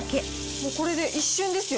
もうこれで、一瞬ですよ。